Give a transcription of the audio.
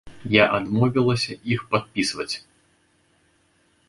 Я адмовілася іх падпісваць.